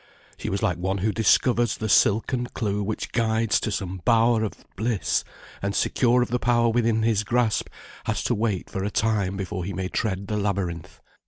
She was like one who discovers the silken clue which guides to some bower of bliss, and secure of the power within his grasp, has to wait for a time before he may tread the labyrinth.